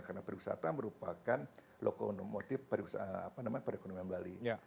karena pariwisata merupakan lokomotif pariwisata apa namanya pariwisata ekonomi bali